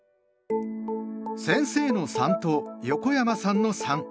先生の「三」と横山さんの「三」。